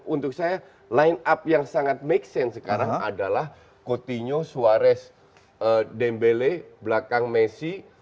untuk saya line up yang sangat make sense sekarang adalah coutinho suarez dembele belakang messi